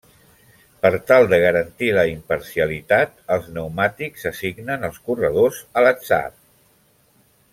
Per tal de garantir la imparcialitat, els pneumàtics s'assignen als corredors a l'atzar.